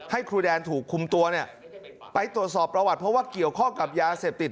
ครูแดนถูกคุมตัวเนี่ยไปตรวจสอบประวัติเพราะว่าเกี่ยวข้องกับยาเสพติด